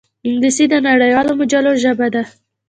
انګلیسي د نړیوالو مجلو ژبه ده